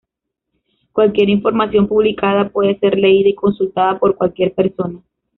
Cualquier información publicada puede ser leída y consultada por cualquier persona.